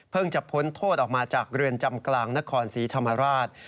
จะพ้นโทษออกมาจากเรือนจำกลางนครศรีธรรมราช